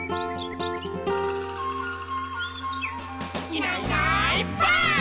「いないいないばあっ！」